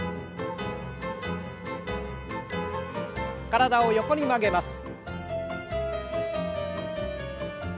体を横に曲げます。